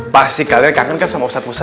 pasti kalian kangen kan sama ustadz ustadz